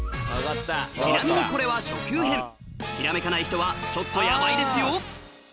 ちなみにこれは初級編ひらめかない人はちょっとヤバいですよ